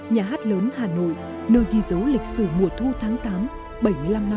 nhà hát lớn hà nội nơi ghi dấu lịch sử mùa thu tháng tám bảy mươi năm năm